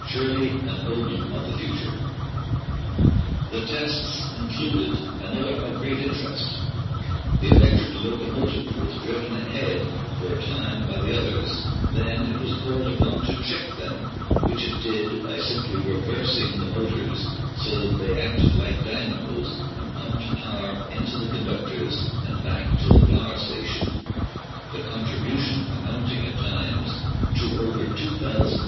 Surely an omen of the future! The tests included another of great interest. The electric locomotive was driven ahead for a time by the others, then it was called upon to check them, which it did by simply reversing the motors so that they acted like dynamos and pumped power into the conductors and back to the power station, the contribution amounting at times to over 2,600 horse power.